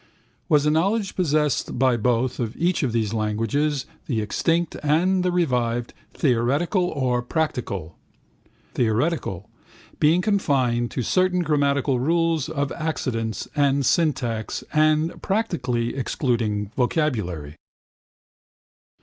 Was the knowledge possessed by both of each of these languages, the extinct and the revived, theoretical or practical? Theoretical, being confined to certain grammatical rules of accidence and syntax and practically excluding vocabulary.